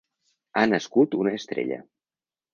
Ha nascut una estrella.